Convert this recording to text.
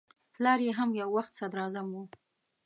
پلار یې هم یو وخت صدراعظم و.